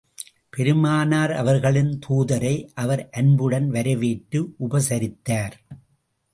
பெருமானார் அவர்களின் தூதரை அவர் அன்புடன் வரவேற்று உபசரித்தார்.